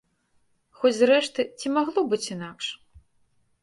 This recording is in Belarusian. Хоць зрэшты, ці магло быць інакш?